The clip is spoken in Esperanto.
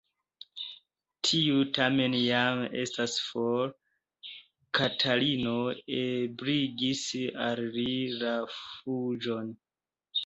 Tiu tamen jam estas for: Katarino ebligis al li la fuĝon.